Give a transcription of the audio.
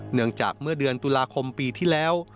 เนื่องจากเมื่อเดือนตุลาคมปีที่แล้ว